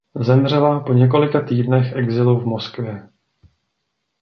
Zemřela po několika týdnech exilu v Moskvě.